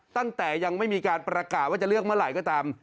ตั้งแต่ยังไม่มีการประกาศว่าจะเลือกเมื่อไหร่ก็ตาม